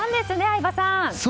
相葉さん。